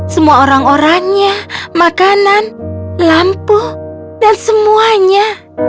semua orang oranya makanan lampu dan semuanya